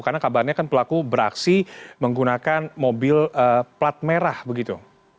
karena kabarnya kan pelaku beraksi menggunakan mobil plat merah begitu